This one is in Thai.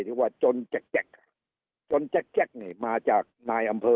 ที่ว่าจนแจ็กแจ็กจนแจ็กแจ็กไงมาจากนายอำเภอ